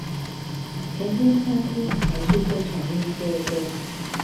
前天餐廳還是正常運作中